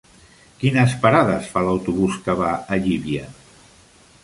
Quines parades fa l'autobús que va a Llívia?